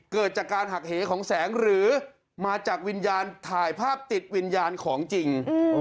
เกิดจากการหักเหของแสงหรือมาจากวิญญาณถ่ายภาพติดวิญญาณของจริง